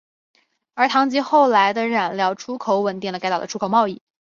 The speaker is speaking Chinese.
而糖及后来的染料出口稳定了该岛的出口贸易。